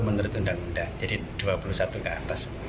menurut undang undang jadi dua puluh satu ke atas